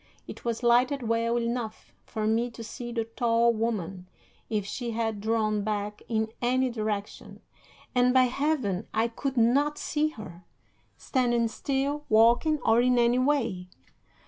It was lighted well enough for me to see the tall woman, if she had drawn back in any direction, and, by Heaven! I could not see her, standing still, walking, or in any way!